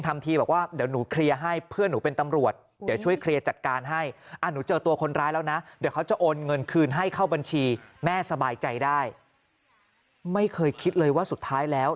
ไม่เคยคิดเลยว่าสุดท้ายแล้ว